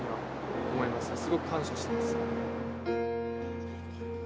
すごく感謝してます。